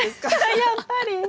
やっぱり？